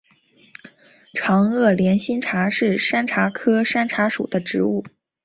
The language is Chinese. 长萼连蕊茶是山茶科山茶属的植物。